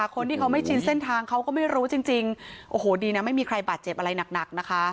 คนที่เขาไม่ชินเส้นทางเขาก็ไม่รู้จริงจริงโอ้โหดีนะไม่มีใครบาดเจ็บอะไรหนักนะคะ